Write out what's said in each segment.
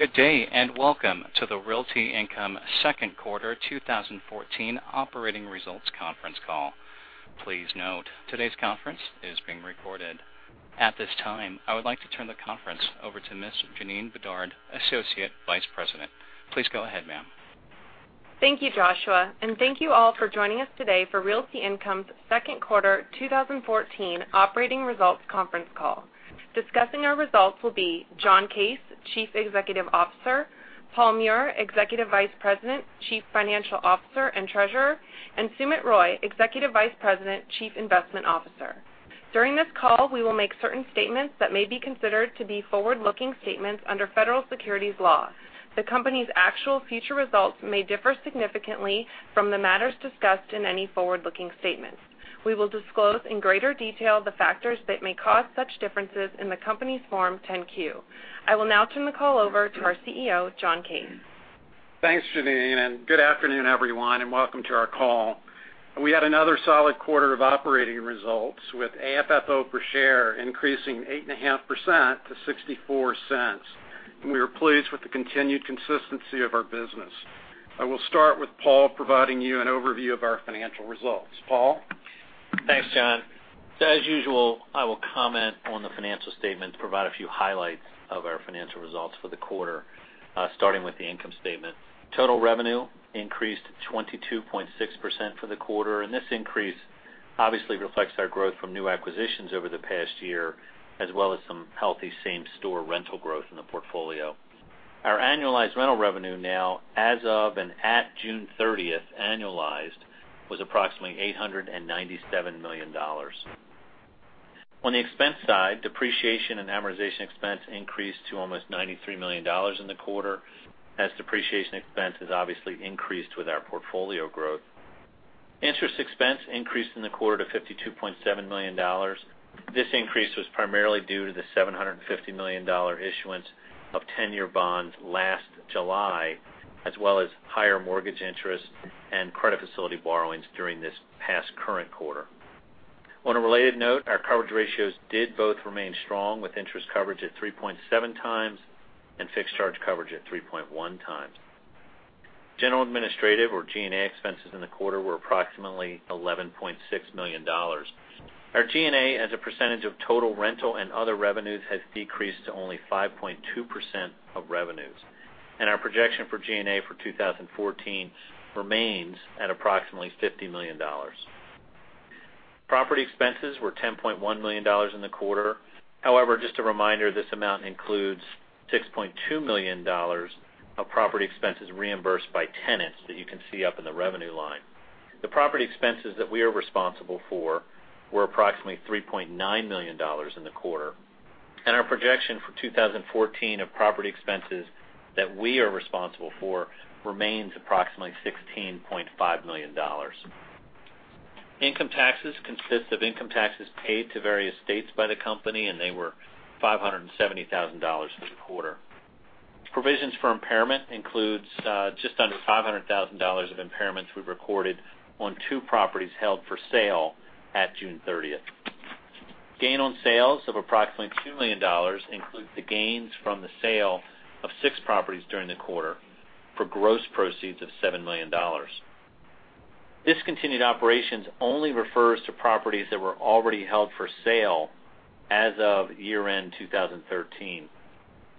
Good day. Welcome to the Realty Income second quarter 2014 operating results conference call. Please note, today's conference is being recorded. At this time, I would like to turn the conference over to Ms. Janeen Bedard, Associate Vice President. Please go ahead, ma'am. Thank you, Joshua. Thank you all for joining us today for Realty Income's second quarter 2014 operating results conference call. Discussing our results will be John Case, Chief Executive Officer, Paul Meurer, Executive Vice President, Chief Financial Officer, and Treasurer, and Sumit Roy, Executive Vice President, Chief Investment Officer. During this call, we will make certain statements that may be considered to be forward-looking statements under federal securities law. The company's actual future results may differ significantly from the matters discussed in any forward-looking statements. We will disclose in greater detail the factors that may cause such differences in the company's Form 10-Q. I will now turn the call over to our CEO, John Case. Thanks, Janeen. Good afternoon, everyone, and welcome to our call. We had another solid quarter of operating results with AFFO per share increasing 8.5% to $0.64. We are pleased with the continued consistency of our business. I will start with Paul providing you an overview of our financial results. Paul? Thanks, John. As usual, I will comment on the financial statement and provide a few highlights of our financial results for the quarter, starting with the income statement. Total revenue increased to 22.6% for the quarter. This increase obviously reflects our growth from new acquisitions over the past year, as well as some healthy same-store rental growth in the portfolio. Our annualized rental revenue now, as of and at June 30th annualized, was approximately $897 million. On the expense side, depreciation and amortization expense increased to almost $93 million in the quarter, as depreciation expense has obviously increased with our portfolio growth. Interest expense increased in the quarter to $52.7 million. This increase was primarily due to the $750 million issuance of 10-year bonds last July, as well as higher mortgage interest and credit facility borrowings during this past current quarter. On a related note, our coverage ratios did both remain strong, with interest coverage at 3.7 times and fixed charge coverage at 3.1 times. General administrative or G&A expenses in the quarter were approximately $11.6 million. Our G&A as a percentage of total rental and other revenues has decreased to only 5.2% of revenues, our projection for G&A for 2014 remains at approximately $50 million. Property expenses were $10.1 million in the quarter. However, just a reminder, this amount includes $6.2 million of property expenses reimbursed by tenants that you can see up in the revenue line. The property expenses that we are responsible for were approximately $3.9 million in the quarter, our projection for 2014 of property expenses that we are responsible for remains approximately $16.5 million. Income taxes consist of income taxes paid to various states by the company, they were $570,000 for the quarter. Provisions for impairment includes just under $500,000 of impairments we recorded on two properties held for sale at June 30th. Gain on sales of approximately $2 million includes the gains from the sale of six properties during the quarter for gross proceeds of $7 million. Discontinued operations only refers to properties that were already held for sale as of year-end 2013.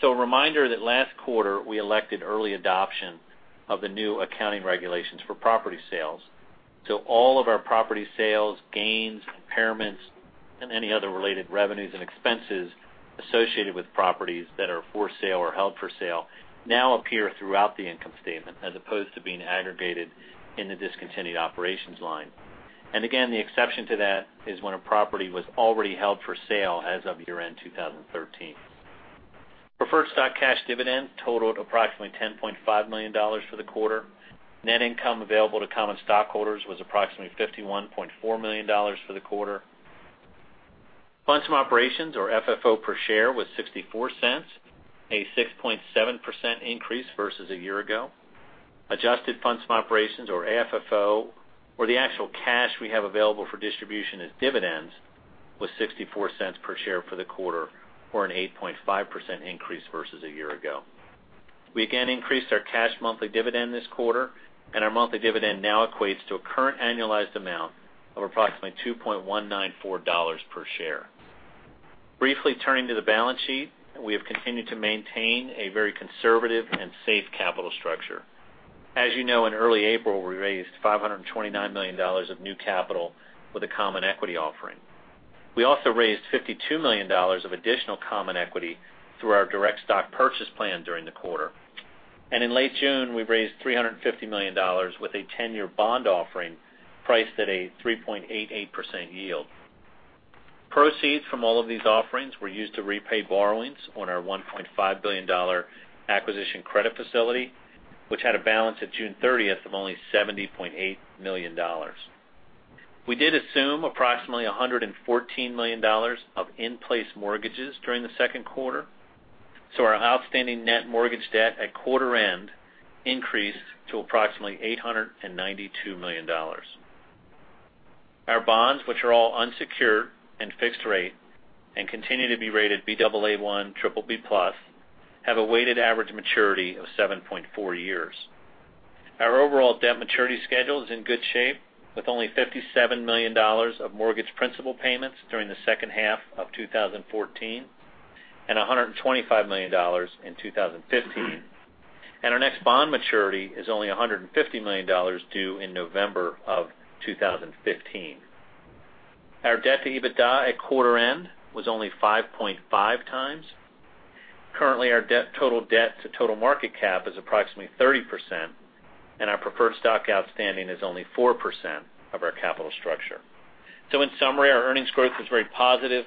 A reminder that last quarter we elected early adoption of the new accounting regulations for property sales. All of our property sales, gains, impairments, and any other related revenues and expenses associated with properties that are for sale or held for sale now appear throughout the income statement as opposed to being aggregated in the discontinued operations line. Again, the exception to that is when a property was already held for sale as of year-end 2013. Preferred stock cash dividend totaled approximately $10.5 million for the quarter. Net income available to common stockholders was approximately $51.4 million for the quarter. Funds from operations or FFO per share was $0.64, a 6.7% increase versus a year ago. Adjusted funds from operations or AFFO, or the actual cash we have available for distribution as dividends, was $0.64 per share for the quarter, or an 8.5% increase versus a year ago. We again increased our cash monthly dividend this quarter, our monthly dividend now equates to a current annualized amount of approximately $2.194 per share. Briefly turning to the balance sheet, we have continued to maintain a very conservative and safe capital structure. As you know, in early April, we raised $529 million of new capital with a common equity offering. We also raised $52 million of additional common equity through our direct stock purchase plan during the quarter. In late June, we raised $350 million with a 10-year bond offering priced at a 3.88% yield. Proceeds from all of these offerings were used to repay borrowings on our $1.5 billion acquisition credit facility, which had a balance at June 30th of only $70.8 million. We did assume approximately $114 million of in-place mortgages during the second quarter, our outstanding net mortgage debt at quarter end increased to approximately $892 million. Our bonds, which are all unsecured and fixed rate and continue to be rated Baa1 BBB+, have a weighted average maturity of 7.4 years. Our overall debt maturity schedule is in good shape with only $57 million of mortgage principal payments during the second half of 2014, $125 million in 2015. Our next bond maturity is only $150 million due in November of 2015. Our debt-to-EBITDA at quarter end was only 5.5 times. Currently, our total debt to total market cap is approximately 30%, and our preferred stock outstanding is only 4% of our capital structure. In summary, our earnings growth was very positive,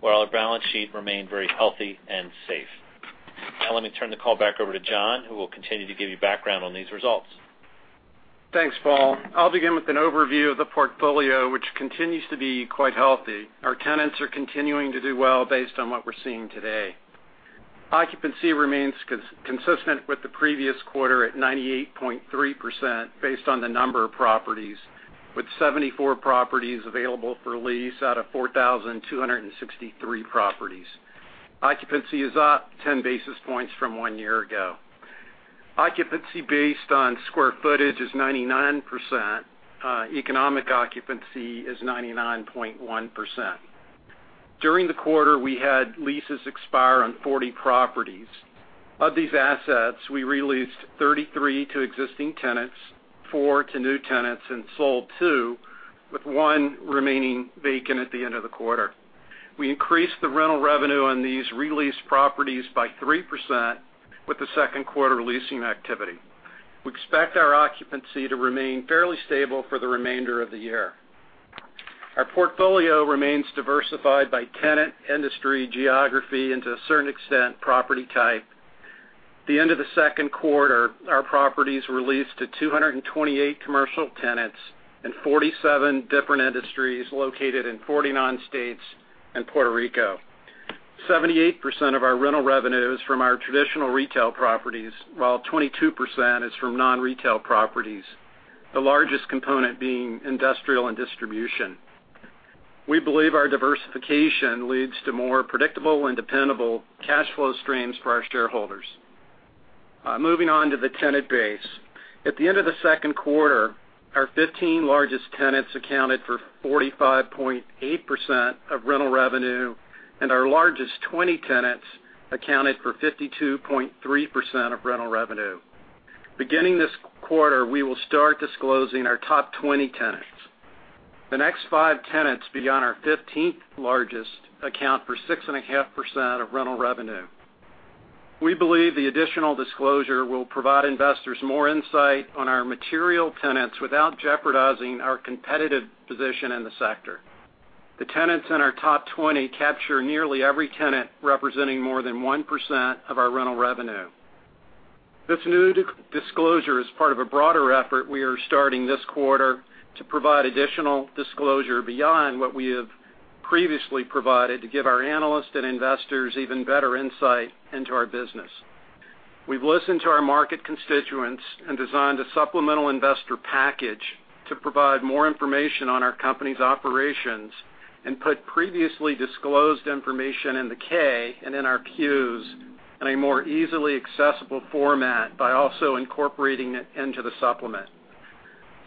while our balance sheet remained very healthy and safe. Let me turn the call back over to John, who will continue to give you background on these results. Thanks, Paul. I'll begin with an overview of the portfolio, which continues to be quite healthy. Our tenants are continuing to do well based on what we're seeing today. Occupancy remains consistent with the previous quarter at 98.3% based on the number of properties, with 74 properties available for lease out of 4,263 properties. Occupancy is up 10 basis points from 1 year ago. Occupancy based on square footage is 99%. Economic occupancy is 99.1%. During the quarter, we had leases expire on 40 properties. Of these assets, we re-leased 33 to existing tenants, 4 to new tenants, and sold 2, with 1 remaining vacant at the end of the quarter. We increased the rental revenue on these re-leased properties by 3% with the second quarter leasing activity. We expect our occupancy to remain fairly stable for the remainder of the year. Our portfolio remains diversified by tenant, industry, geography, and to a certain extent, property type. At the end of the second quarter, our property is re-leased to 228 commercial tenants and 47 different industries located in 49 states and Puerto Rico. 78% of our rental revenue is from our traditional retail properties, while 22% is from non-retail properties, the largest component being industrial and distribution. We believe our diversification leads to more predictable and dependable cash flow streams for our shareholders. Moving on to the tenant base. At the end of the second quarter, our 15 largest tenants accounted for 45.8% of rental revenue, and our largest 20 tenants accounted for 52.3% of rental revenue. Beginning this quarter, we will start disclosing our top 20 tenants. The next 5 tenants beyond our 15th largest account for 6.5% of rental revenue. We believe the additional disclosure will provide investors more insight on our material tenants without jeopardizing our competitive position in the sector. The tenants in our top 20 capture nearly every tenant representing more than 1% of our rental revenue. This new disclosure is part of a broader effort we are starting this quarter to provide additional disclosure beyond what we have previously provided to give our analysts and investors even better insight into our business. We've listened to our market constituents and designed a supplemental investor package to provide more information on our company's operations and put previously disclosed information in the K and in our Qs in a more easily accessible format by also incorporating it into the supplement.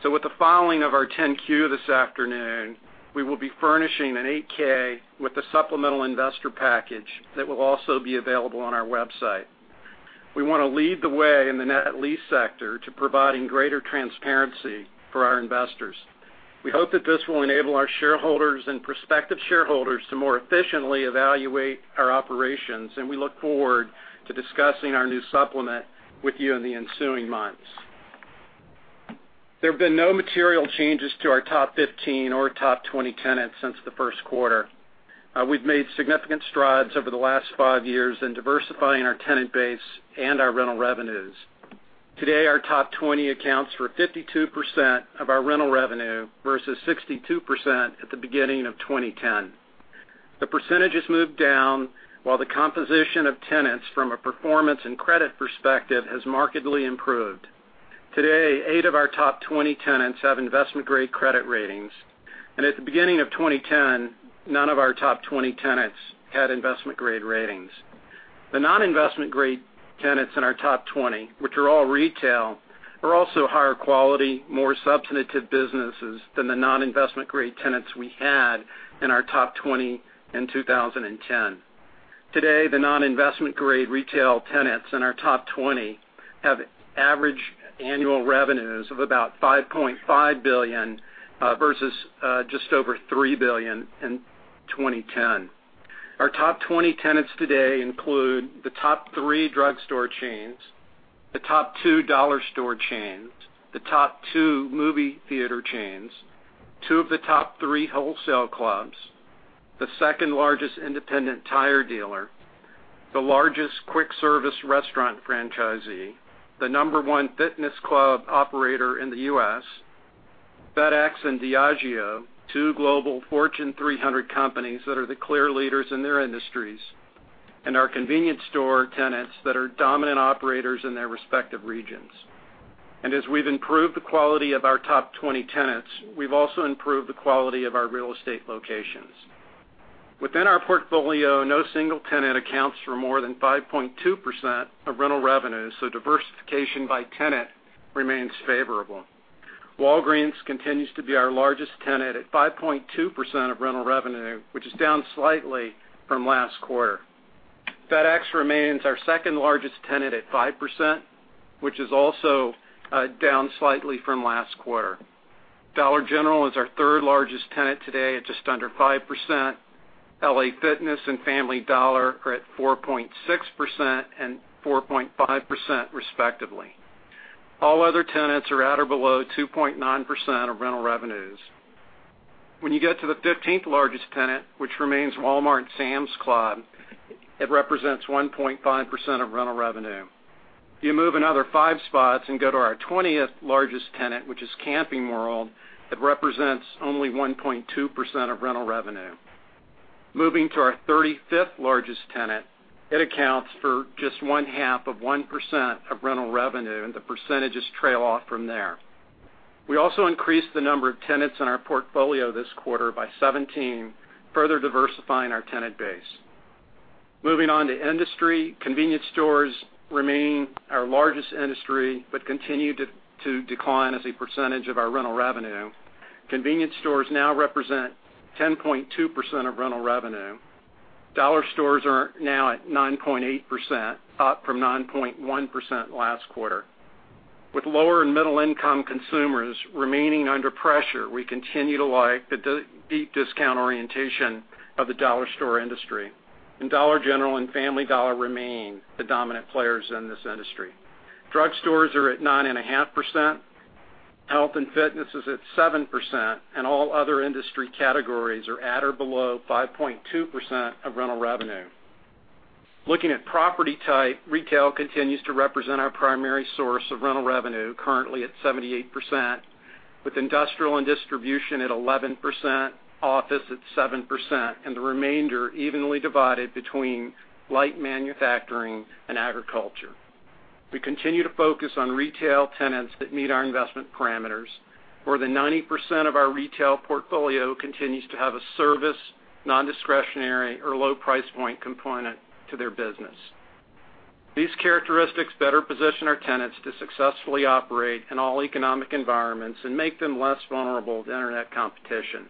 With the filing of our 10-Q this afternoon, we will be furnishing an 8-K with the supplemental investor package that will also be available on our website. We want to lead the way in the net-lease sector to providing greater transparency for our investors. We hope that this will enable our shareholders and prospective shareholders to more efficiently evaluate our operations, and we look forward to discussing our new supplement with you in the ensuing months. There have been no material changes to our top 15 or top 20 tenants since the first quarter. We've made significant strides over the last five years in diversifying our tenant base and our rental revenues. Today, our top 20 accounts for 52% of our rental revenue versus 62% at the beginning of 2010. The percentage has moved down, while the composition of tenants from a performance and credit perspective has markedly improved. Today, eight of our top 20 tenants have investment-grade credit ratings, and at the beginning of 2010, none of our top 20 tenants had investment-grade ratings. The non-investment-grade tenants in our top 20, which are all retail, are also higher quality, more substantive businesses than the non-investment-grade tenants we had in our top 20 in 2010. Today, the non-investment-grade retail tenants in our top 20 have average annual revenues of about $5.5 billion versus just over $3 billion in 2010. Our top 20 tenants today include the top three drugstore chains, the top two dollar store chains, the top two movie theater chains, two of the top three wholesale clubs, the second largest independent tire dealer, the largest quick service restaurant franchisee, the number one fitness club operator in the U.S., FedEx and Diageo, two global Fortune 300 companies that are the clear leaders in their industries. Our convenience store tenants that are dominant operators in their respective regions. As we've improved the quality of our top 20 tenants, we've also improved the quality of our real estate locations. Within our portfolio, no single tenant accounts for more than 5.2% of rental revenue, so diversification by tenant remains favorable. Walgreens continues to be our largest tenant at 5.2% of rental revenue, which is down slightly from last quarter. FedEx remains our second-largest tenant at 5%, which is also down slightly from last quarter. Dollar General is our third-largest tenant today at just under 5%. LA Fitness and Family Dollar are at 4.6% and 4.5%, respectively. All other tenants are at or below 2.9% of rental revenues. When you get to the 15th largest tenant, which remains Walmart and Sam's Club, it represents 1.5% of rental revenue. If you move another five spots and go to our 20th largest tenant, which is Camping World, it represents only 1.2% of rental revenue. Moving to our 35th largest tenant, it accounts for just one-half of 1% of rental revenue, and the percentages trail off from there. We also increased the number of tenants in our portfolio this quarter by 17, further diversifying our tenant base. Moving on to industry. Convenience stores remain our largest industry, but continue to decline as a percentage of our rental revenue. Convenience stores now represent 10.2% of rental revenue. Dollar stores are now at 9.8%, up from 9.1% last quarter. With lower and middle income consumers remaining under pressure, we continue to like the deep discount orientation of the dollar store industry, and Dollar General and Family Dollar remain the dominant players in this industry. Drug stores are at 9.5%, health and fitness is at 7%, and all other industry categories are at or below 5.2% of rental revenue. Looking at property type, retail continues to represent our primary source of rental revenue, currently at 78%, with industrial and distribution at 11%, office at 7%, and the remainder evenly divided between light manufacturing and agriculture. We continue to focus on retail tenants that meet our investment parameters. More than 90% of our retail portfolio continues to have a service, nondiscretionary or low price point component to their business. These characteristics better position our tenants to successfully operate in all economic environments and make them less vulnerable to internet competition.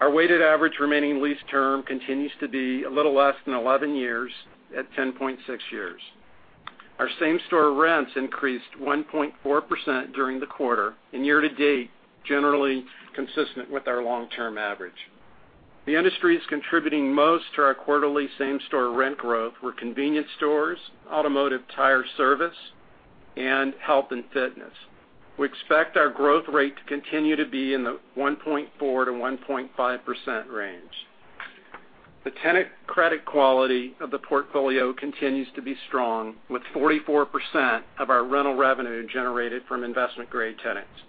Our weighted average remaining lease term continues to be a little less than 11 years, at 10.6 years. Our same-store rents increased 1.4% during the quarter, and year to date, generally consistent with our long-term average. The industries contributing most to our quarterly same-store rent growth were convenience stores, automotive tire service, and health and fitness. We expect our growth rate to continue to be in the 1.4%-1.5% range. The tenant credit quality of the portfolio continues to be strong, with 44% of our rental revenue generated from investment-grade tenants.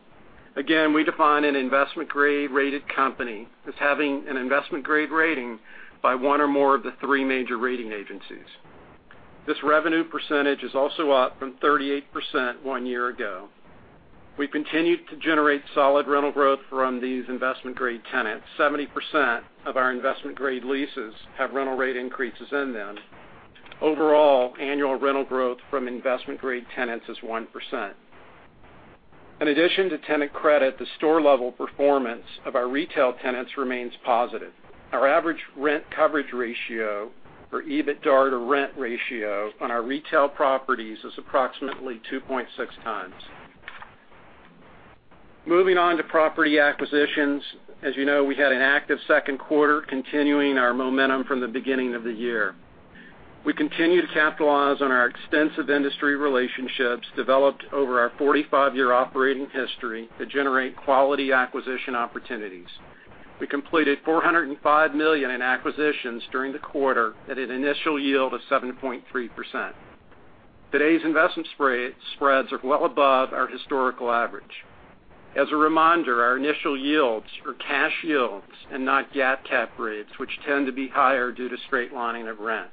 Again, we define an investment grade-rated company as having an investment grade rating by one or more of the three major rating agencies. This revenue percentage is also up from 38% one year ago. We've continued to generate solid rental growth from these investment-grade tenants. 70% of our investment-grade leases have rental rate increases in them. Overall, annual rental growth from investment-grade tenants is 1%. In addition to tenant credit, the store-level performance of our retail tenants remains positive. Our average rent coverage ratio or EBITDA-to-rent ratio on our retail properties is approximately 2.6 times. Moving on to property acquisitions. As you know, we had an active second quarter, continuing our momentum from the beginning of the year. We continue to capitalize on our extensive industry relationships developed over our 45-year operating history to generate quality acquisition opportunities. We completed $405 million in acquisitions during the quarter at an initial yield of 7.3%. Today's investment spreads are well above our historical average. As a reminder, our initial yields are cash yields and not GAAP cap rates, which tend to be higher due to straight lining of rent.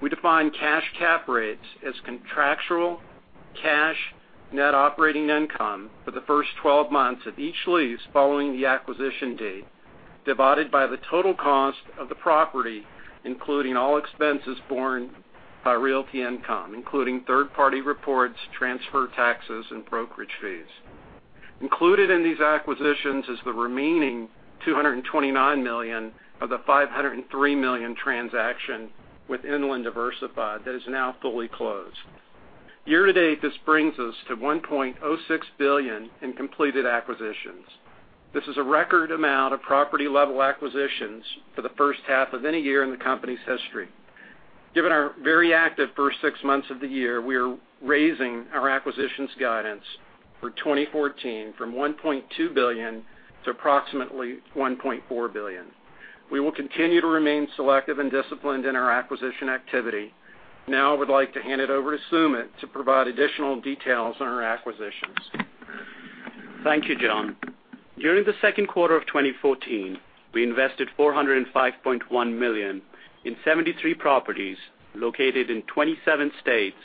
We define cash cap rates as contractual cash net operating income for the first 12 months of each lease following the acquisition date, divided by the total cost of the property, including all expenses borne by Realty Income, including third-party reports, transfer taxes, and brokerage fees. Included in these acquisitions is the remaining $229 million of the $503 million transaction with Inland Diversified that is now fully closed. Year to date, this brings us to $1.06 billion in completed acquisitions. This is a record amount of property-level acquisitions for the first half of any year in the company's history. Given our very active first six months of the year, we are raising our acquisitions guidance for 2014 from $1.2 billion to approximately $1.4 billion. We will continue to remain selective and disciplined in our acquisition activity. Now, I would like to hand it over to Sumit to provide additional details on our acquisitions. Thank you, John. During the second quarter of 2014, we invested $405.1 million in 73 properties located in 27 states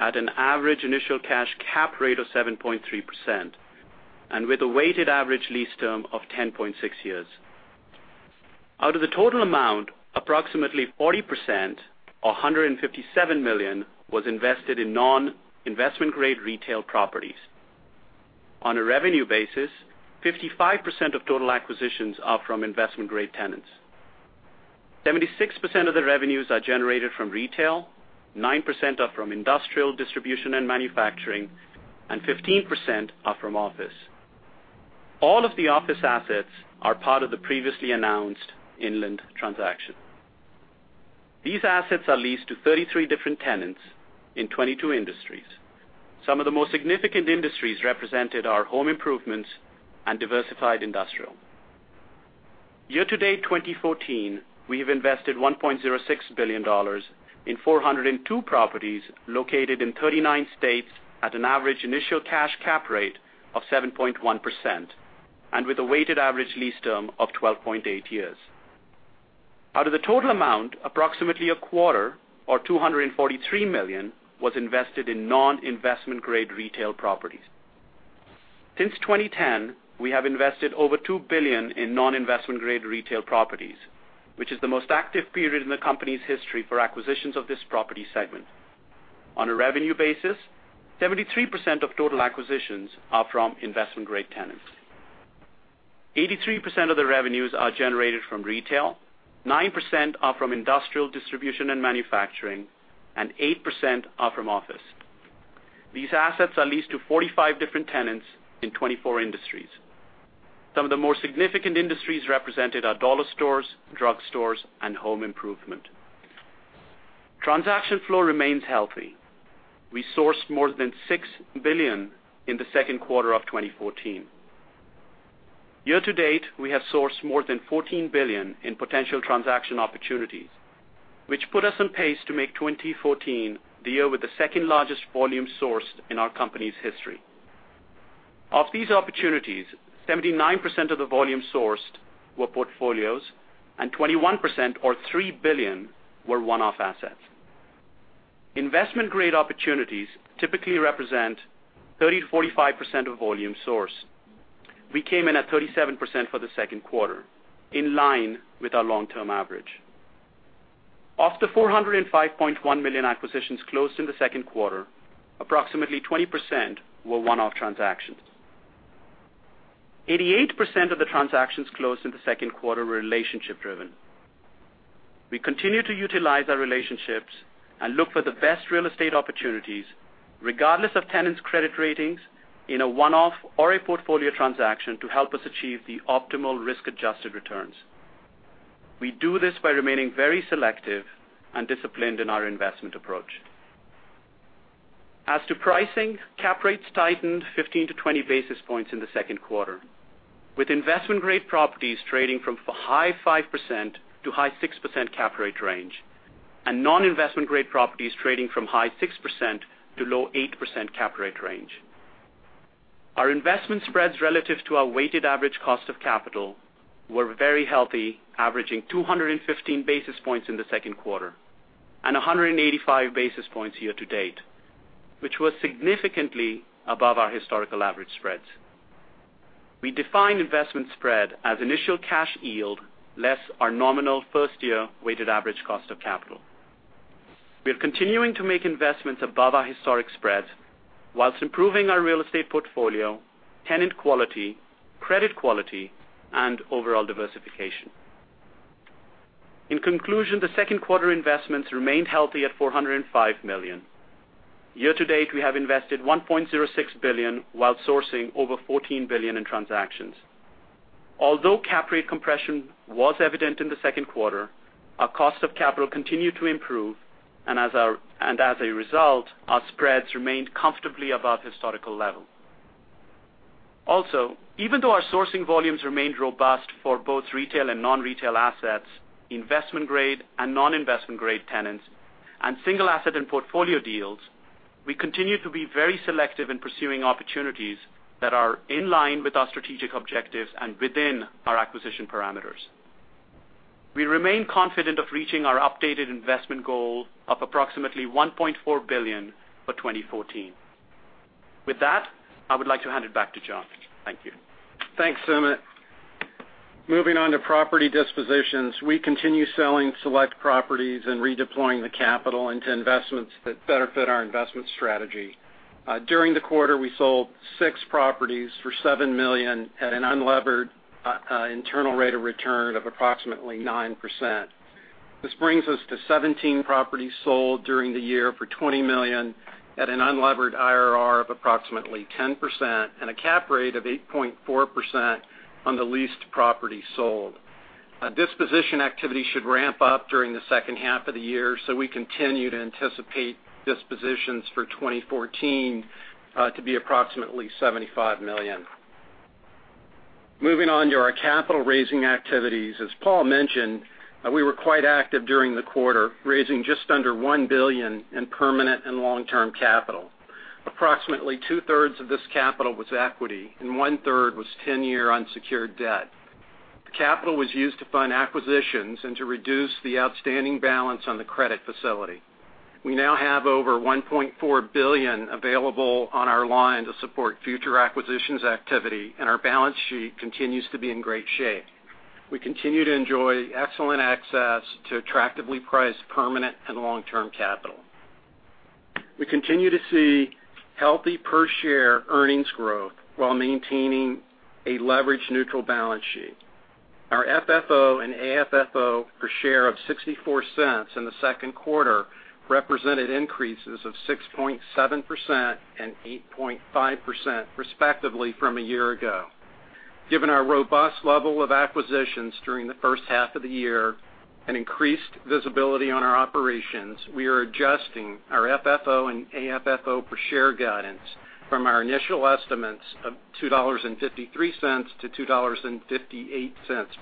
at an average initial cash cap rate of 7.3%, and with a weighted average lease term of 10.6 years. Out of the total amount, approximately 40%, or $157 million, was invested in non-investment grade retail properties. On a revenue basis, 55% of total acquisitions are from investment-grade tenants. 76% of the revenues are generated from retail, 9% are from industrial distribution and manufacturing, and 15% are from office. All of the office assets are part of the previously announced Inland transaction. These assets are leased to 33 different tenants in 22 industries. Some of the most significant industries represented are home improvements and diversified industrial. Year-to-date 2014, we have invested $1.06 billion in 402 properties located in 39 states at an average initial cash cap rate of 7.1%, and with a weighted average lease term of 12.8 years. Out of the total amount, approximately a quarter, or $243 million, was invested in non-investment grade retail properties. Since 2010, we have invested over $2 billion in non-investment grade retail properties, which is the most active period in the company's history for acquisitions of this property segment. On a revenue basis, 73% of total acquisitions are from investment-grade tenants. 83% of the revenues are generated from retail, 9% are from industrial distribution and manufacturing, and 8% are from office. These assets are leased to 45 different tenants in 24 industries. Some of the more significant industries represented are dollar stores, drug stores, and home improvement. Transaction flow remains healthy. We sourced more than $6 billion in the second quarter of 2014. Year-to-date, we have sourced more than $14 billion in potential transaction opportunities, which put us on pace to make 2014 the year with the second-largest volume sourced in our company's history. Of these opportunities, 79% of the volume sourced were portfolios, and 21%, or $3 billion, were one-off assets. Investment-grade opportunities typically represent 30%-45% of volume source. We came in at 37% for the second quarter, in line with our long-term average. Of the $405.1 million acquisitions closed in the second quarter, approximately 20% were one-off transactions. 88% of the transactions closed in the second quarter were relationship-driven. We continue to utilize our relationships and look for the best real estate opportunities, regardless of tenants' credit ratings in a one-off or a portfolio transaction to help us achieve the optimal risk-adjusted returns. We do this by remaining very selective and disciplined in our investment approach. As to pricing, cap rates tightened 15-20 basis points in the second quarter, with investment-grade properties trading from high 5%-high 6% cap rate range, and non-investment grade properties trading from high 6%-low 8% cap rate range. Our investment spreads relative to our weighted average cost of capital were very healthy, averaging 215 basis points in the second quarter and 185 basis points year-to-date, which was significantly above our historical average spreads. We define investment spread as initial cash yield less our nominal first-year weighted average cost of capital. We are continuing to make investments above our historic spreads whilst improving our real estate portfolio, tenant quality, credit quality, and overall diversification. In conclusion, the second quarter investments remained healthy at $405 million. Year-to-date, we have invested $1.06 billion while sourcing over $14 billion in transactions. Although cap rate compression was evident in the second quarter, our cost of capital continued to improve, as a result, our spreads remained comfortably above historical levels. Even though our sourcing volumes remained robust for both retail and non-retail assets, investment-grade and non-investment grade tenants, and single-asset and portfolio deals, we continue to be very selective in pursuing opportunities that are in line with our strategic objectives and within our acquisition parameters. We remain confident of reaching our updated investment goal of approximately $1.4 billion for 2014. With that, I would like to hand it back to John. Thank you. Thanks, Sumit. Moving on to property dispositions. We continue selling select properties and redeploying the capital into investments that better fit our investment strategy. During the quarter, we sold six properties for $7 million at an unlevered internal rate of return of approximately 9%. This brings us to 17 properties sold during the year for $20 million at an unlevered IRR of approximately 10% and a cap rate of 8.4% on the leased property sold. Disposition activity should ramp up during the second half of the year, we continue to anticipate dispositions for 2014 to be approximately $75 million. Moving on to our capital raising activities. As Paul mentioned, we were quite active during the quarter, raising just under $1 billion in permanent and long-term capital. Approximately two-thirds of this capital was equity and one-third was 10-year unsecured debt. The capital was used to fund acquisitions and to reduce the outstanding balance on the credit facility. We now have over $1.4 billion available on our line to support future acquisitions activity, our balance sheet continues to be in great shape. We continue to enjoy excellent access to attractively priced permanent and long-term capital. We continue to see healthy per-share earnings growth while maintaining a leverage-neutral balance sheet. Our FFO and AFFO per share of $0.64 in the second quarter represented increases of 6.7% and 8.5%, respectively, from a year ago. Given our robust level of acquisitions during the first half of the year and increased visibility on our operations, we are adjusting our FFO and AFFO per share guidance from our initial estimates of $2.53-$2.58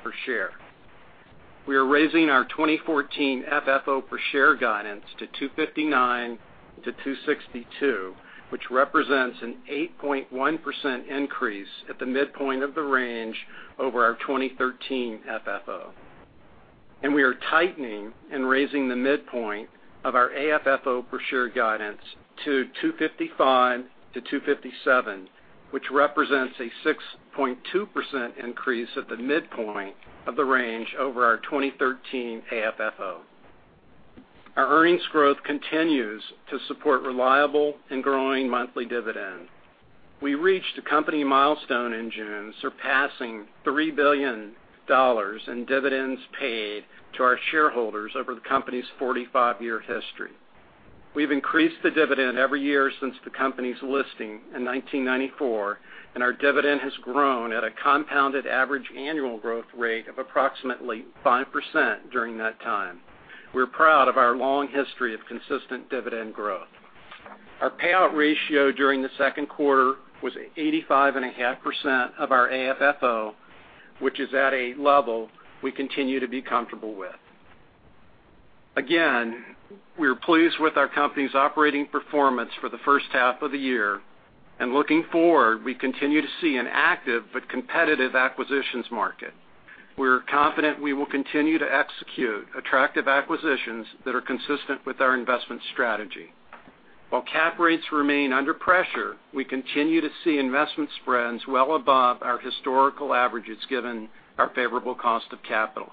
per share. We are raising our 2014 FFO per share guidance to $2.59-$2.62, which represents an 8.1% increase at the midpoint of the range over our 2013 FFO. We are tightening and raising the midpoint of our AFFO per share guidance to $2.55-$2.57, which represents a 6.2% increase at the midpoint of the range over our 2013 AFFO. Our earnings growth continues to support reliable and growing monthly dividend. We reached a company milestone in June, surpassing $3 billion in dividends paid to our shareholders over the company's 45-year history. We've increased the dividend every year since the company's listing in 1994, and our dividend has grown at a compounded average annual growth rate of approximately 5% during that time. We're proud of our long history of consistent dividend growth. Our payout ratio during the second quarter was 85.5% of our AFFO, which is at a level we continue to be comfortable with. We are pleased with our company's operating performance for the first half of the year, looking forward, we continue to see an active but competitive acquisitions market. We're confident we will continue to execute attractive acquisitions that are consistent with our investment strategy. While cap rates remain under pressure, we continue to see investment spreads well above our historical averages given our favorable cost of capital.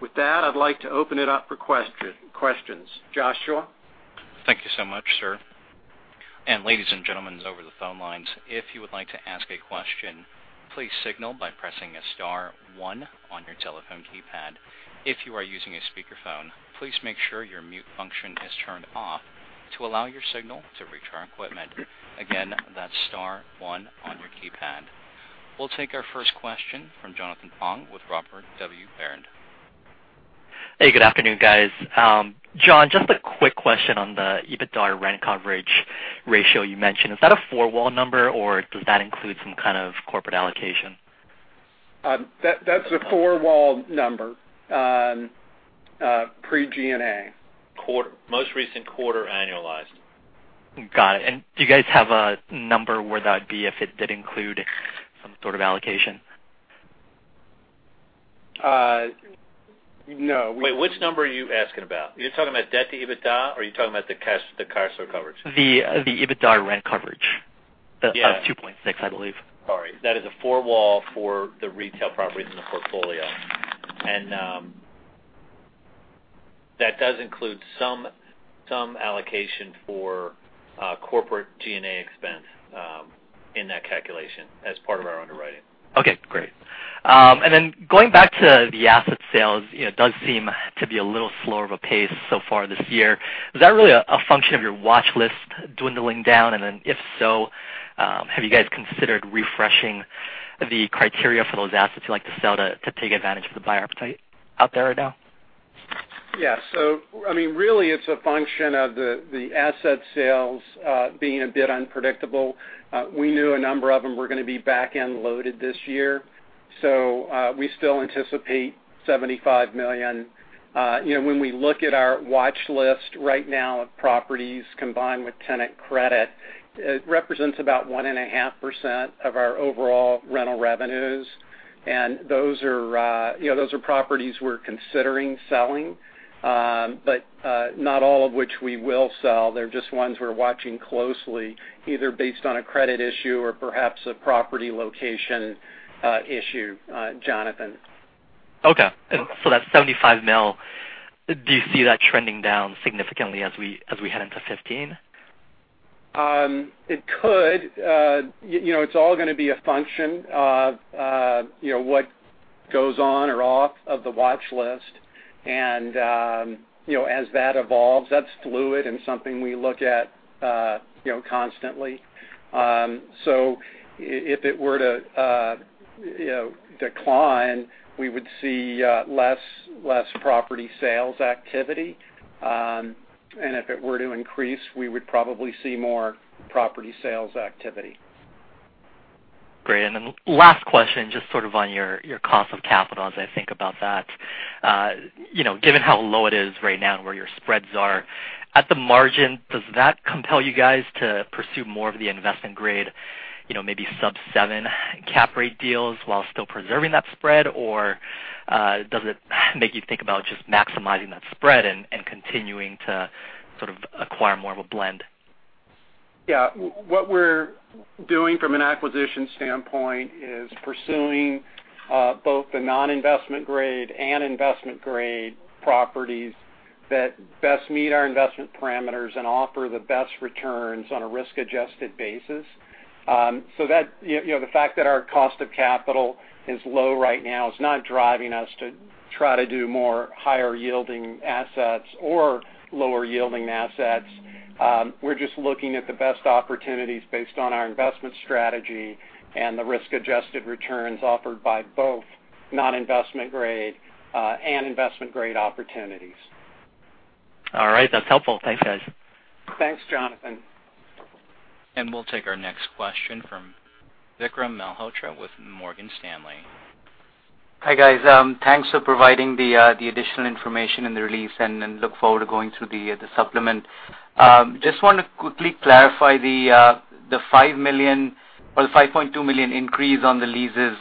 With that, I'd like to open it up for questions. Joshua? Thank you so much, sir. Ladies and gentlemen over the phone lines, if you would like to ask a question, please signal by pressing *1 on your telephone keypad. If you are using a speakerphone, please make sure your mute function is turned off to allow your signal to reach our equipment. That's *1 on your keypad. We'll take our first question from Jonathan Pong with Robert W. Baird. Hey, good afternoon, guys. John, just a quick question on the EBITDA rent coverage ratio you mentioned. Is that a four-wall number, or does that include some kind of corporate allocation? That's a four-wall number, pre-G&A. Most recent quarter annualized. Got it. Do you guys have a number where that'd be if it did include some sort of allocation? No. Wait, which number are you asking about? Are you talking about debt to EBITDA, or are you talking about the Cash Flow coverage? The EBITDA rent coverage of 2.6, I believe. Sorry. That is a four-wall for the retail properties in the portfolio. That does include some allocation for corporate G&A expense in that calculation as part of our underwriting. Okay, great. Going back to the asset sales, it does seem to be a little slower of a pace so far this year. Is that really a function of your watch list dwindling down? If so, have you guys considered refreshing the criteria for those assets you'd like to sell to take advantage of the buyer appetite out there right now? Yeah. Really it's a function of the asset sales being a bit unpredictable. We knew a number of them were going to be back-end loaded this year, so we still anticipate $75 million. When we look at our watch list right now of properties combined with tenant credit, it represents about 1.5% of our overall rental revenues. Those are properties we're considering selling, but not all of which we will sell. They're just ones we're watching closely, either based on a credit issue or perhaps a property location issue, Jonathan. Okay. That $75 million, do you see that trending down significantly as we head into 2015? It could. It's all going to be a function of what goes on or off of the watch list. As that evolves, that's fluid and something we look at constantly. If it were to decline, we would see less property sales activity. If it were to increase, we would probably see more property sales activity. Great. Last question, just sort of on your cost of capital as I think about that. Given how low it is right now and where your spreads are. At the margin, does that compel you guys to pursue more of the investment-grade, maybe sub-seven cap rate deals while still preserving that spread, or does it make you think about just maximizing that spread and continuing to acquire more of a blend? Yeah. What we're doing from an acquisition standpoint is pursuing both the non-investment grade and investment-grade properties that best meet our investment parameters and offer the best returns on a risk-adjusted basis. The fact that our cost of capital is low right now is not driving us to try to do more higher-yielding assets or lower-yielding assets. We're just looking at the best opportunities based on our investment strategy and the risk-adjusted returns offered by both non-investment grade and investment-grade opportunities. All right. That's helpful. Thanks, guys. Thanks, Jonathan. We'll take our next question from Vikram Malhotra with Morgan Stanley. Hi, guys. Thanks for providing the additional information in the release and look forward to going through the supplement. Just want to quickly clarify the $5.2 million increase on the leases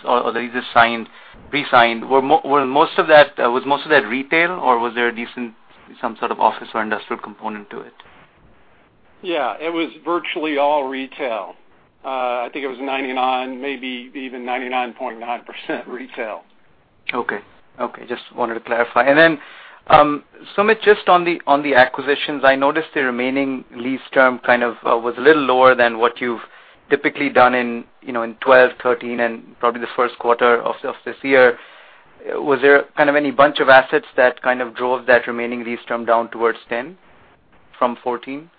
re-signed. Was most of that retail, or was there a decent, some sort of office or industrial component to it? Yeah. It was virtually all retail. I think it was 99, maybe even 99.9% retail. Okay. Just wanted to clarify. Sumit, just on the acquisitions, I noticed the remaining lease term kind of was a little lower than what you've typically done in 2012, 2013, and probably the first quarter of this year. Was there kind of any bunch of assets that kind of drove that remaining lease term down towards 10 from 14?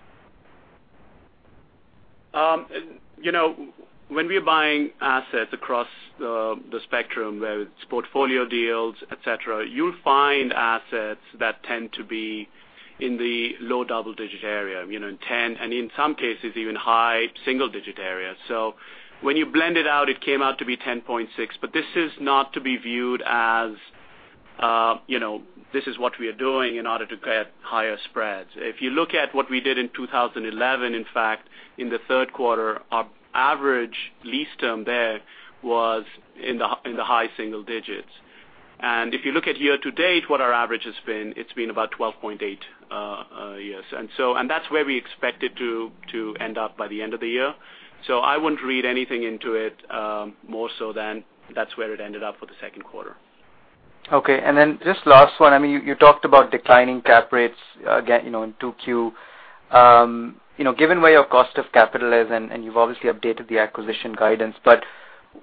When we're buying assets across the spectrum, whether it's portfolio deals, et cetera, you'll find assets that tend to be in the low double-digit area, 10, and in some cases, even high single-digit area. When you blend it out, it came out to be 10.6, but this is not to be viewed as this is what we are doing in order to get higher spreads. If you look at what we did in 2011, in fact, in the third quarter, our average lease term there was in the high single digits. If you look at year-to-date, what our average has been, it's been about 12.8 years. That's where we expect it to end up by the end of the year. I wouldn't read anything into it, more so than that's where it ended up for the second quarter. Okay. Just last one. You talked about declining cap rates, again, in 2Q. Given where your cost of capital is, you've obviously updated the acquisition guidance,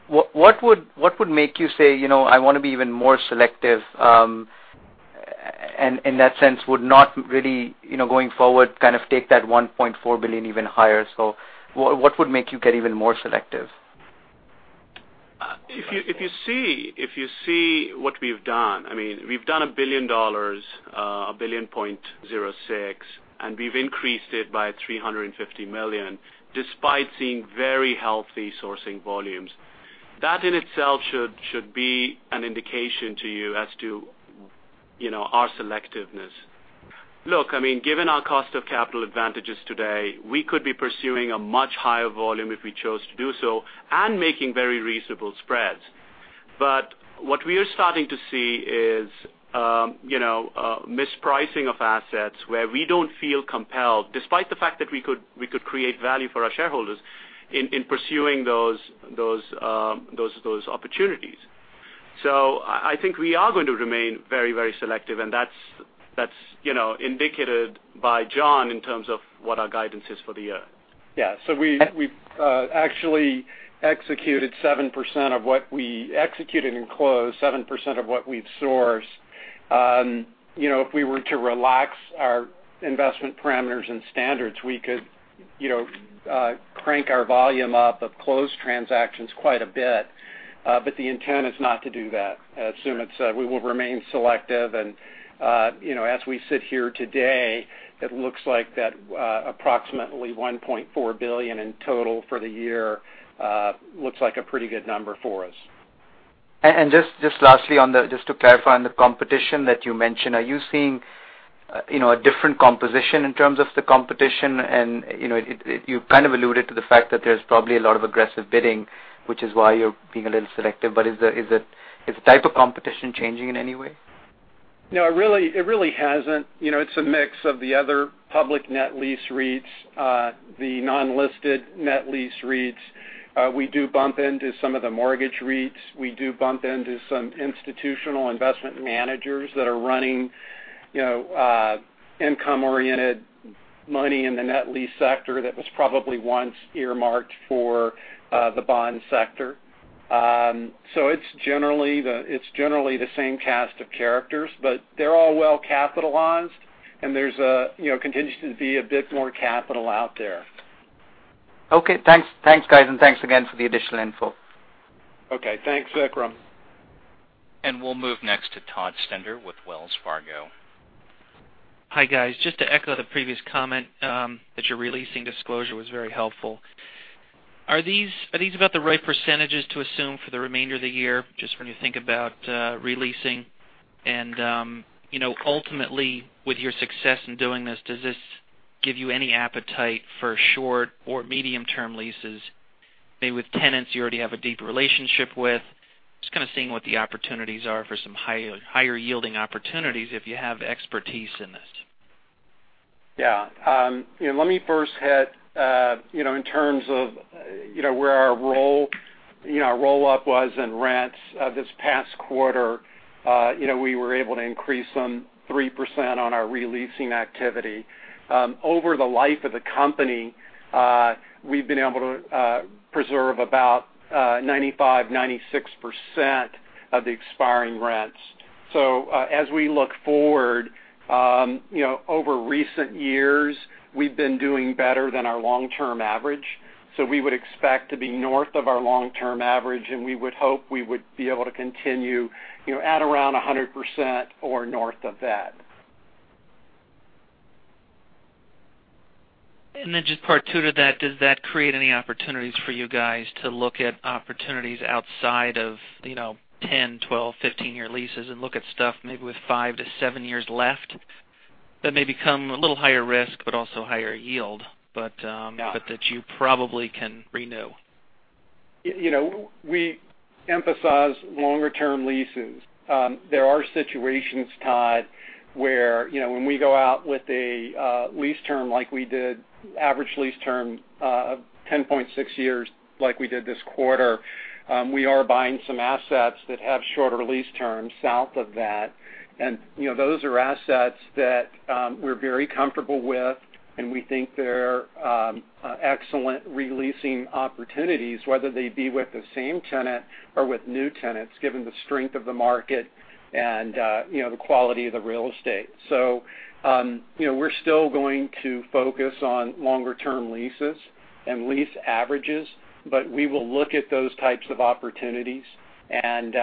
what would make you say, I want to be even more selective, and in that sense, would not really, going forward, kind of take that $1.4 billion even higher? What would make you get even more selective? If you see what we've done, we've done $1 billion, $1.06 billion, and we've increased it by $350 million, despite seeing very healthy sourcing volumes. That in itself should be an indication to you as to our selectiveness. Look, given our cost of capital advantages today, we could be pursuing a much higher volume if we chose to do so and making very reasonable spreads. What we are starting to see is mispricing of assets where we don't feel compelled, despite the fact that we could create value for our shareholders in pursuing those opportunities. I think we are going to remain very selective, and that's indicated by John in terms of what our guidance is for the year. Yeah. We've actually executed and closed 7% of what we've sourced. If we were to relax our investment parameters and standards, we could crank our volume up of closed transactions quite a bit. The intent is not to do that. As Sumit said, we will remain selective, and as we sit here today, it looks like that approximately $1.4 billion in total for the year looks like a pretty good number for us. Just lastly, just to clarify on the competition that you mentioned, are you seeing a different composition in terms of the competition? You kind of alluded to the fact that there's probably a lot of aggressive bidding, which is why you're being a little selective. Is the type of competition changing in any way? No, it really hasn't. It's a mix of the other public net lease REITs, the non-listed net lease REITs. We do bump into some of the mortgage REITs. We do bump into some institutional investment managers that are running income-oriented money in the net lease sector that was probably once earmarked for the bond sector. It's generally the same cast of characters, they're all well-capitalized, and there continues to be a bit more capital out there. Okay, thanks. Thanks, guys. Thanks again for the additional info. Okay. Thanks, Vikram. We'll move next to Todd Stender with Wells Fargo. Hi, guys. Just to echo the previous comment, that your releasing disclosure was very helpful. Are these about the right percentages to assume for the remainder of the year, just when you think about releasing? Ultimately with your success in doing this, does this give you any appetite for short or medium-term leases, maybe with tenants you already have a deep relationship with? Just kind of seeing what the opportunities are for some higher-yielding opportunities, if you have expertise in this. Yeah. Let me first hit in terms of where our roll-up was in rents, this past quarter, we were able to increase some 3% on our re-leasing activity. Over the life of the company, we've been able to preserve about 95%, 96% of the expiring rents. As we look forward, over recent years, we've been doing better than our long-term average. We would expect to be north of our long-term average, and we would hope we would be able to continue at around 100% or north of that. Just part two to that, does that create any opportunities for you guys to look at opportunities outside of 10, 12, 15-year leases and look at stuff maybe with five to seven years left, that may become a little higher risk, but also higher yield, but- Yeah That you probably can renew. We emphasize longer-term leases. There are situations, Todd, where when we go out with a lease term like we did, average lease term of 10.6 years like we did this quarter, we are buying some assets that have shorter lease terms south of that. Those are assets that we're very comfortable with, and we think they're excellent re-leasing opportunities, whether they be with the same tenant or with new tenants, given the strength of the market and the quality of the real estate. We're still going to focus on longer-term leases and lease averages. We will look at those types of opportunities, and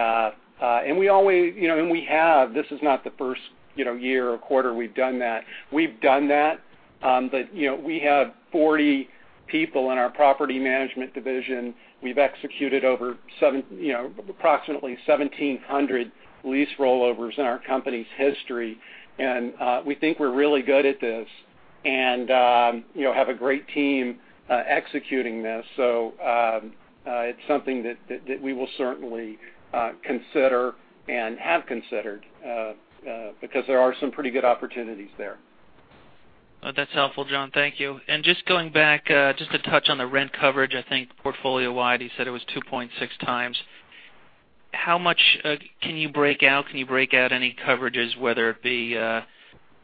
we have. This is not the first year or quarter we've done that. We've done that. We have 40 people in our property management division. We've executed over approximately 1,700 lease rollovers in our company's history. We think we're really good at this and have a great team executing this. It's something that we will certainly consider and have considered, because there are some pretty good opportunities there. That's helpful, John. Thank you. Just going back, just to touch on the rent coverage, I think portfolio-wide, you said it was 2.6 times. How much can you break out? Can you break out any coverages, whether it be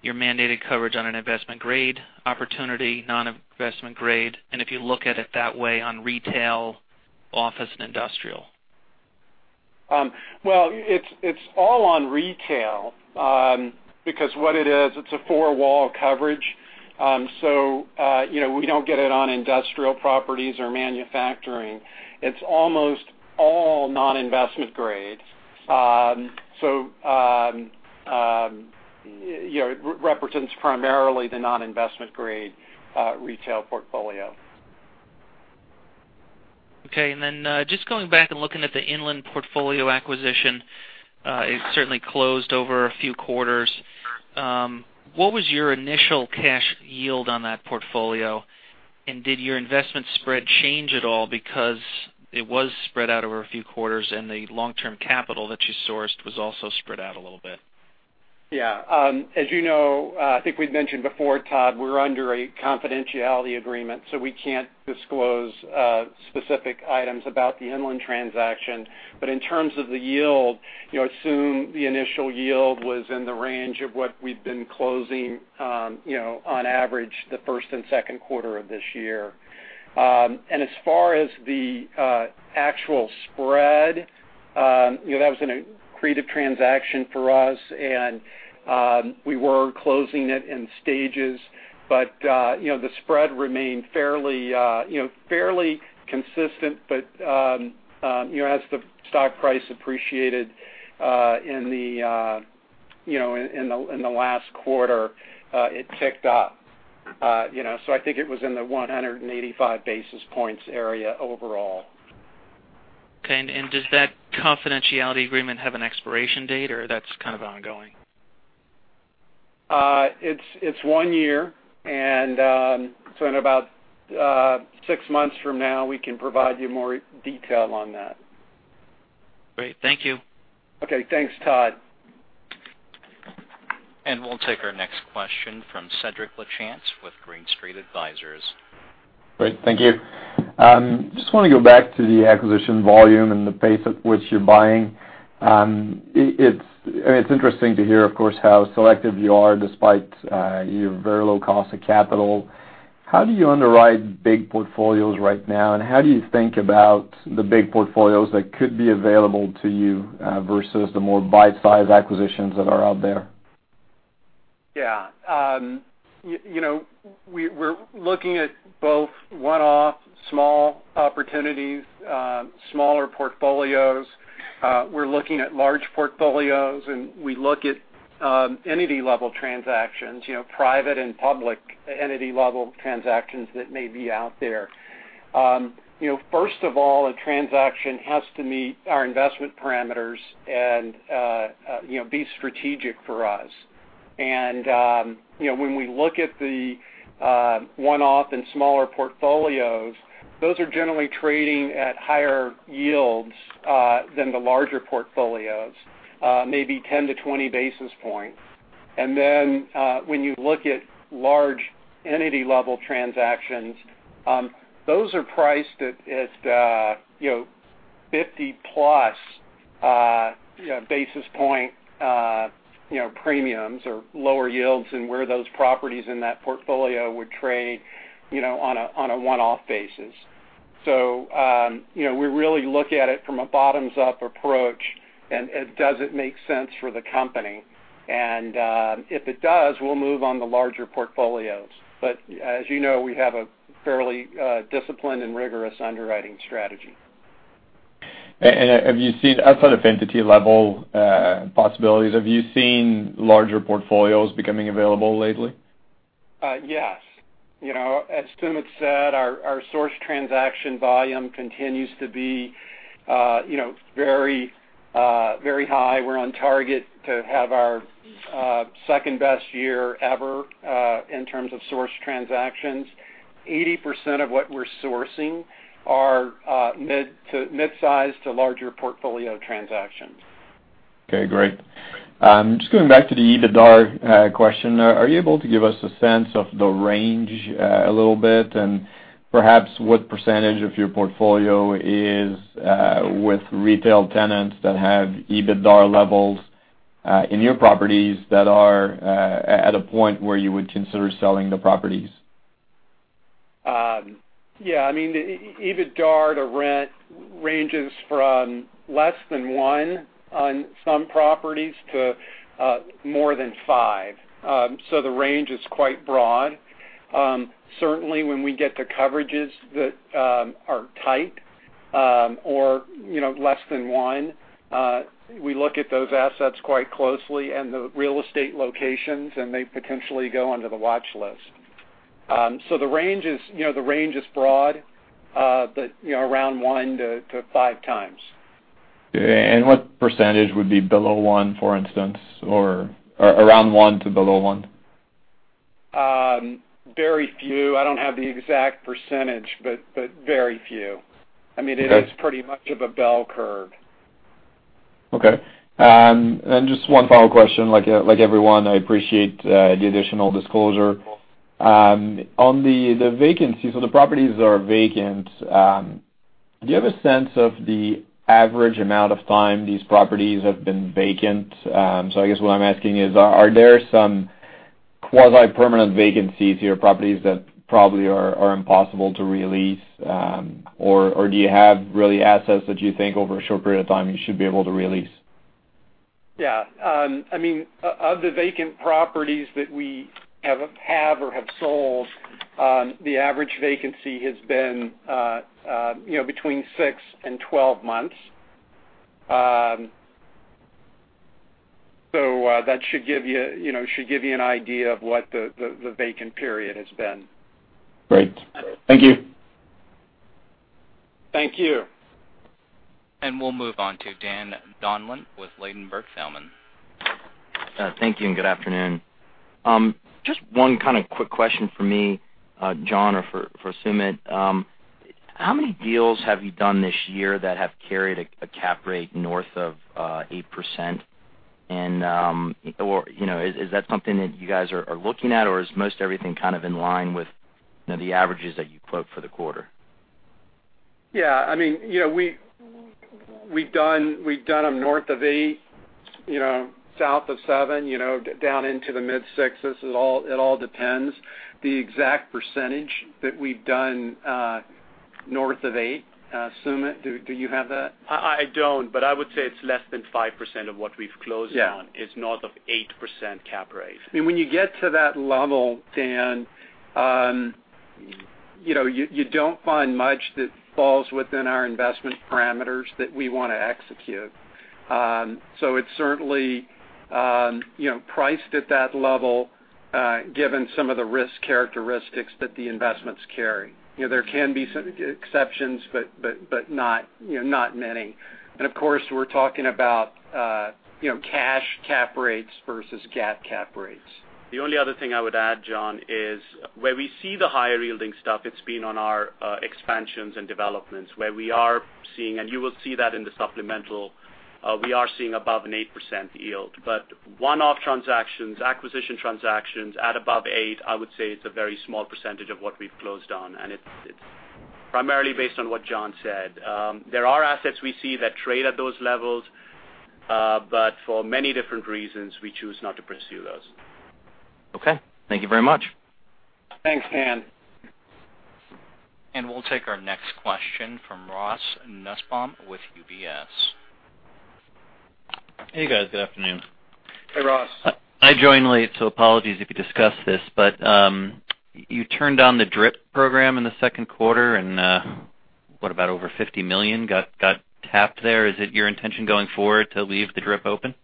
your mandated coverage on an investment-grade opportunity, non-investment grade, and if you look at it that way, on retail, office, and industrial? Well, it's all on retail. What it is, it's a four-wall coverage. We don't get it on industrial properties or manufacturing. It's almost all non-investment grade. It represents primarily the non-investment grade retail portfolio. Okay, just going back and looking at the Inland portfolio acquisition, it certainly closed over a few quarters. What was your initial cash yield on that portfolio? Did your investment spread change at all, because it was spread out over a few quarters, and the long-term capital that you sourced was also spread out a little bit? Yeah. As you know, I think we've mentioned before, Todd, we're under a confidentiality agreement, so we can't disclose specific items about the Inland transaction. In terms of the yield, assume the initial yield was in the range of what we've been closing on average the first and second quarter of this year. As far as the actual spread, that was an accretive transaction for us and we were closing it in stages, but the spread remained fairly consistent. As the stock price appreciated in the last quarter, it ticked up. I think it was in the 185 basis points area overall. Okay, does that confidentiality agreement have an expiration date, or that's kind of ongoing? It's one year, in about six months from now, we can provide you more detail on that. Great. Thank you. Okay, thanks, Todd. We'll take our next question from Cedrik Lachance with Green Street Advisors. Great. Thank you. Just want to go back to the acquisition volume and the pace at which you're buying. It's interesting to hear, of course, how selective you are despite your very low cost of capital. How do you underwrite big portfolios right now, and how do you think about the big portfolios that could be available to you versus the more bite-sized acquisitions that are out there? Yeah. We're looking at both one-off small opportunities, smaller portfolios. We're looking at large portfolios, we look at entity-level transactions, private and public entity-level transactions that may be out there. First of all, a transaction has to meet our investment parameters and be strategic for us. When we look at the one-off and smaller portfolios, those are generally trading at higher yields than the larger portfolios, maybe 10 to 20 basis points. When you look at large entity-level transactions, those are priced at 50-plus basis point premiums or lower yields than where those properties in that portfolio would trade on a one-off basis. We really look at it from a bottoms-up approach and does it make sense for the company. If it does, we'll move on to larger portfolios. As you know, we have a fairly disciplined and rigorous underwriting strategy. Have you seen outside of entity-level possibilities, have you seen larger portfolios becoming available lately? Yes. As Sumit said, our source transaction volume continues to be very high. We're on target to have our second-best year ever, in terms of source transactions. 80% of what we're sourcing are mid-size to larger portfolio transactions. Okay, great. Just going back to the EBITDA question. Are you able to give us a sense of the range a little bit, and perhaps what percentage of your portfolio is with retail tenants that have EBITDA levels in your properties that are at a point where you would consider selling the properties? Yeah. EBITDA to rent ranges from less than one on some properties to more than five. The range is quite broad. Certainly, when we get to coverages that are tight, or less than one, we look at those assets quite closely and the real estate locations, and they potentially go onto the watch list. The range is broad, but around one to five times. What % would be below one, for instance, or around one to below one? Very few. I don't have the exact %, but very few. Okay. It is pretty much of a bell curve. Okay. Just one final question. Like everyone, I appreciate the additional disclosure. On the vacancies or the properties that are vacant, do you have a sense of the average amount of time these properties have been vacant? I guess what I'm asking is, are there some quasi-permanent vacancies here, properties that probably are impossible to re-lease? Do you have really assets that you think over a short period of time you should be able to re-lease? Yeah. Of the vacant properties that we have or have sold, the average vacancy has been between six and 12 months. That should give you an idea of what the vacant period has been. Great. Thank you. Thank you. We'll move on to Dan Donlon with Ladenburg Thalmann. Thank you, and good afternoon. Just one kind of quick question from me, John, or for Sumit. How many deals have you done this year that have carried a cap rate north of 8%? Or is that something that you guys are looking at, or is most everything kind of in line with the averages that you quote for the quarter? Yeah. We've done them north of eight, south of seven, down into the mid-sixes. It all depends. The exact percentage that we've done north of eight, Sumit, do you have that? I don't, but I would say it's less than 5% of what we've closed on. Yeah Is north of 8% cap rate. When you get to that level, Dan, you don't find much that falls within our investment parameters that we want to execute. It's certainly priced at that level, given some of the risk characteristics that the investments carry. There can be some exceptions, but not many. Of course, we're talking about cash cap rates versus GAAP cap rates. The only other thing I would add, John, is where we see the higher-yielding stuff, it's been on our expansions and developments where we are seeing, and you will see that in the supplemental, we are seeing above an 8% yield. One-off transactions, acquisition transactions at above eight, I would say it's a very small percentage of what we've closed on, and it's primarily based on what John said. There are assets we see that trade at those levels, for many different reasons, we choose not to pursue those. Okay. Thank you very much. Thanks, Dan. We'll take our next question from Ross Nussbaum with UBS. Hey guys, good afternoon. Hey, Ross. I joined late, so apologies if you discussed this, but you turned on the DRIP program in the second quarter and what about over $50 million got tapped there? Is it your intention going forward to leave the DRIP open?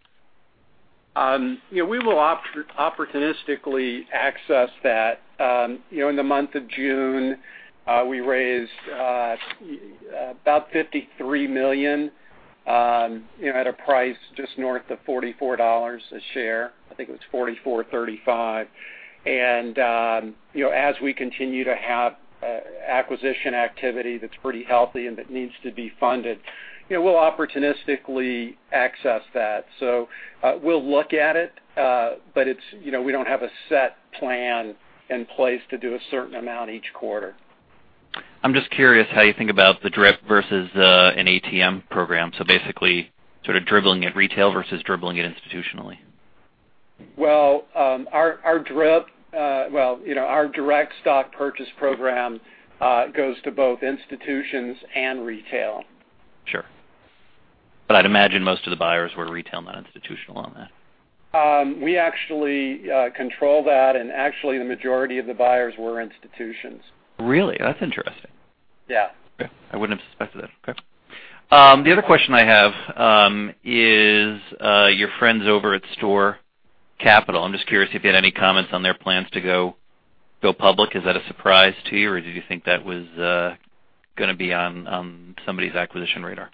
We will opportunistically access that. In the month of June, we raised about $53 million, at a price just north of $44 a share. I think it was $44.35. As we continue to have acquisition activity that's pretty healthy and that needs to be funded, we'll opportunistically access that. We'll look at it, but we don't have a set plan in place to do a certain amount each quarter. I'm just curious how you think about the DRIP versus an ATM program. Basically sort of dribbling it retail versus dribbling it institutionally. Our direct stock purchase program goes to both institutions and retail. Sure. I'd imagine most of the buyers were retail, not institutional on that. We actually control that, actually the majority of the buyers were institutions. Really? That's interesting. Yeah. Okay. I wouldn't have suspected that. Okay. The other question I have is, your friends over at STORE Capital. I'm just curious if you had any comments on their plans to go public. Is that a surprise to you, or did you think that was going to be on somebody's acquisition radar?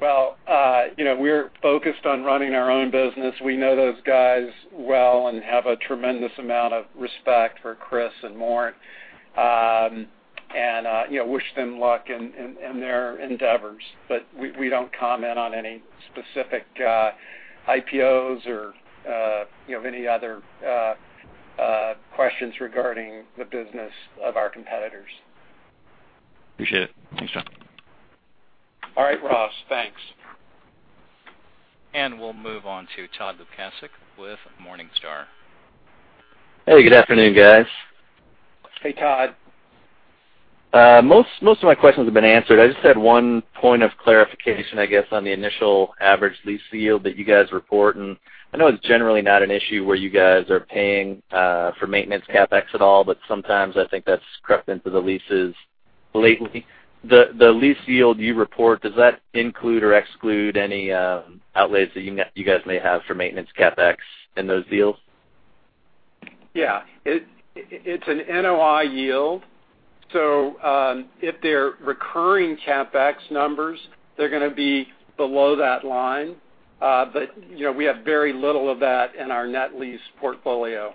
Well, we're focused on running our own business. We know those guys well and have a tremendous amount of respect for Chris and Mort. Wish them luck in their endeavors. We don't comment on any specific IPOs or of any other questions regarding the business of our competitors. Appreciate it. Thanks, John. All right, Ross. Thanks. We'll move on to Todd Lukasik with Morningstar. Hey, good afternoon, guys. Hey, Todd. Most of my questions have been answered. I just had one point of clarification, I guess, on the initial average lease yield that you guys report. I know it's generally not an issue where you guys are paying for maintenance CapEx at all, sometimes I think that's crept into the leases lately. The lease yield you report, does that include or exclude any outlays that you guys may have for maintenance CapEx in those deals? Yeah. It's an NOI yield. If they're recurring CapEx numbers, they're going to be below that line. We have very little of that in our net lease portfolio.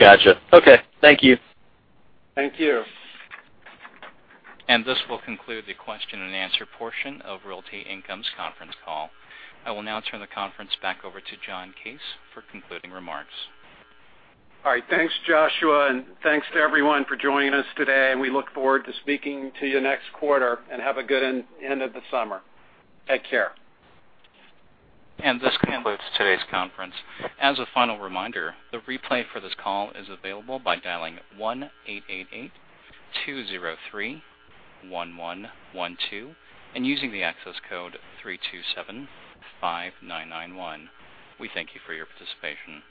Got you. Okay. Thank you. Thank you. This will conclude the question-and-answer portion of Realty Income's conference call. I will now turn the conference back over to John Case for concluding remarks. All right. Thanks, Joshua, thanks to everyone for joining us today, and we look forward to speaking to you next quarter, have a good end of the summer. Take care. This concludes today's conference. As a final reminder, the replay for this call is available by dialing 1-888-203-1112 and using the access code 3275991. We thank you for your participation.